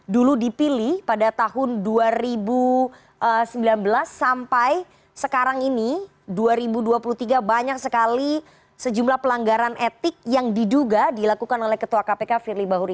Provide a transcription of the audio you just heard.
dulu dipilih pada tahun dua ribu sembilan belas sampai sekarang ini dua ribu dua puluh tiga banyak sekali sejumlah pelanggaran etik yang diduga dilakukan oleh ketua kpk firly bahuri